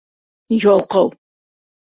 Ялҡау!